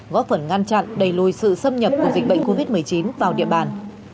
góp phần ngăn chặn đẩy lùi sự xâm nhập của dịch bệnh covid một mươi chín vào địa bàn